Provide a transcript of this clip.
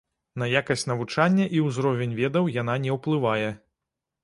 На якасць навучання і ўзровень ведаў яна не ўплывае.